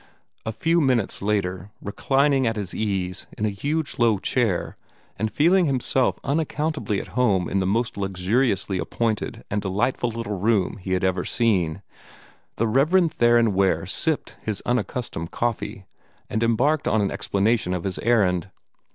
A few minutes later, reclining at his ease in a huge low chair, and feeling himself unaccountably at home in the most luxuriously appointed and delightful little room he had ever seen, the Rev. Theron Ware sipped his unaccustomed coffee and embarked upon an explanation of his errand.